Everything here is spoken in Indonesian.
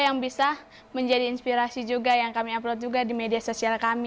yang bisa menjadi inspirasi juga yang kami upload juga di media sosial kami